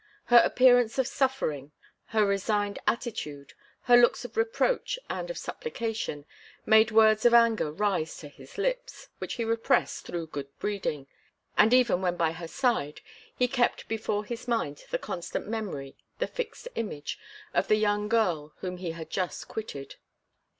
Her appearance of suffering, her resigned attitude, her looks of reproach and of supplication, made words of anger rise to his lips, which he repressed through good breeding; and, even when by her side, he kept before his mind the constant memory, the fixed image, of the young girl whom he had just quitted.